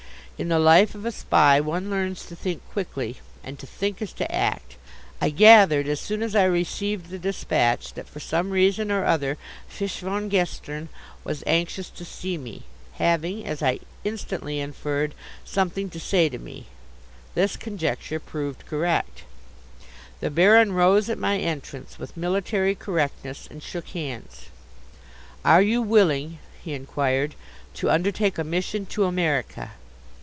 In the life of a Spy one learns to think quickly, and to think is to act. I gathered as soon as I received the despatch that for some reason or other Fisch von Gestern was anxious to see me, having, as I instantly inferred, something to say to me. This conjecture proved correct. The Baron rose at my entrance with military correctness and shook hands. "Are you willing," he inquired, "to undertake a mission to America?"